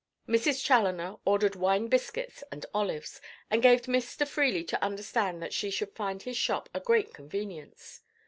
Mrs. Chaloner ordered wine biscuits and olives, and gave Mr. Freely to understand that she should find his shop a great convenience.